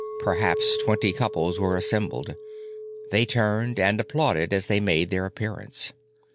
Perhaps twenty couples were assembled; they turned and applauded as they made their appearance.